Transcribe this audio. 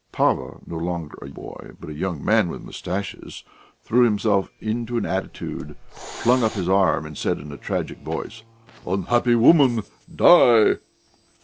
Pava, no longer a boy, but a young man with moustaches, threw himself into an attitude, flung up his arm, and said in a tragic voice: "Unhappy woman, die!"